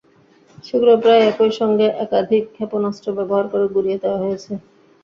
সেগুলো প্রায় একই সঙ্গে একাধিক ক্ষেপণাস্ত্র ব্যবহার করে গুঁড়িয়ে দেওয়া হয়েছে।